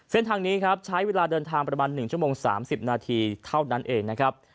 เส้นทางนี้ครับใช้เวลาเดินทางประมาณ๑ชั่วโมง๓๐นาทีเท่านั้นเองนะครับ